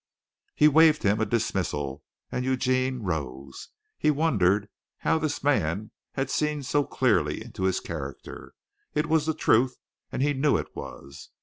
He waved him a dismissal, and Eugene rose. He wondered how this man had seen so clearly into his character. It was the truth, and he knew it was.